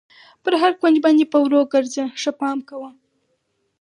پر هر کونج باندې په ورو ګر وځه، ښه پام کوه.